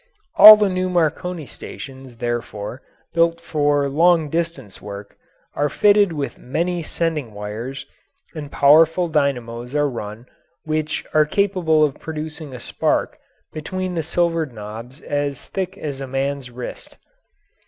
All the new Marconi stations, therefore, built for long distance work, are fitted with many sending wires, and powerful dynamos are run which are capable of producing a spark between the silvered knobs as thick as a man's wrist.